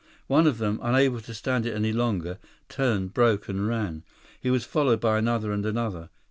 One of them, unable to stand it any longer, turned, broke, and ran. He was followed by another and another.